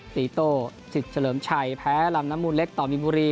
ตีโต้สิทธิ์เฉลิมชัยแพ้ลำน้ำมูลเล็กต่อมีนบุรี